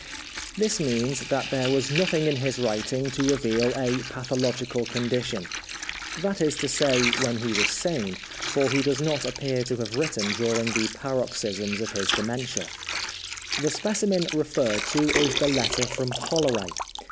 This means that there was nothing in his writing to reveal a pathological condition ; that is to say when he was sane, for he does not appear to have written during the paroxysms of his dementia. The specimen referred to is the letter from Holloway.